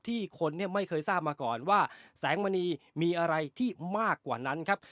คนเนี่ยไม่เคยทราบมาก่อนว่าแสงมณีมีอะไรที่มากกว่านั้นครับ